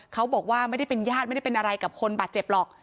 เขาบอกว่าไม่ได้เป็นญาติไม่ได้เป็นอะไรกับคนบาดเจ็บหรอก